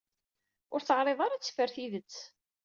Ur teɛriḍ ara ad teffer tidet.